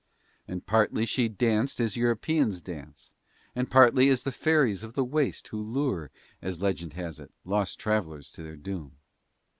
And partly she danced as Europeans dance and partly as the fairies of the waste who lure, as legend has it, lost travellers to their doom.